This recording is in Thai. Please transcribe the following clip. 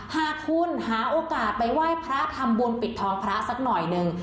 หากคุณหาโอกาสไปไหว้พระทำบุญปิดทองพระสักหน่อยหนึ่ง